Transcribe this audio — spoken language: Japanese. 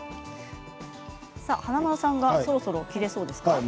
華丸さんがそろそろ切れそうですか。